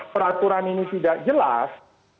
peraturan ini tidak jelas